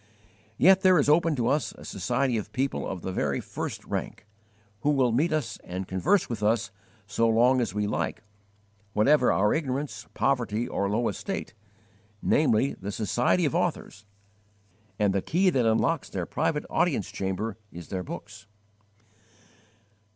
Yet there is open to us a society of people of the very first rank who will meet us and converse with us so long as we like, whatever our ignorance, poverty, or low estate namely, the society of authors; and the key that unlocks their private audience chamber is their books.